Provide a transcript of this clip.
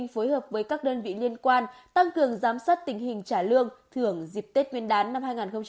phối hợp với các đơn vị liên quan tăng cường giám sát tình hình trả lương thưởng dịp tết nguyên đán năm hai nghìn hai mươi